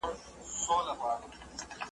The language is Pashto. کتابتونونه باید بډایه سي.